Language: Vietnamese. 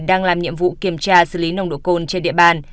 đang làm nhiệm vụ kiểm tra xử lý nồng độ cồn trên địa bàn